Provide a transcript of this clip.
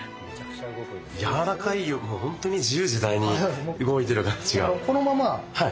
柔らかいよりも本当に自由自在に動いてる感じが。